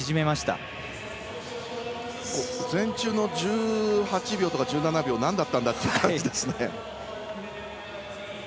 午前中の１８秒とか１７秒なんだったんだって感じですね。